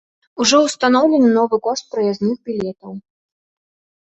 Ужо ўстаноўлены новы кошт праязных білетаў.